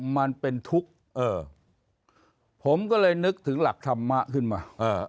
มันเป็นทุกข์เออผมก็เลยนึกถึงหลักธรรมะขึ้นมา